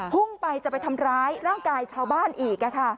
พุ่งไปจะไปทำร้ายร่างกายชาวบ้านอีก